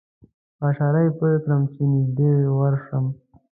په اشاره یې پوی کړم چې نږدې ورشم.